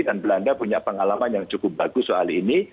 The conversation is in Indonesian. dan belanda punya pengalaman yang cukup bagus soal ini